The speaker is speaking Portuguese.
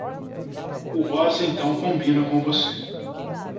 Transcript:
O rosa então combina com você.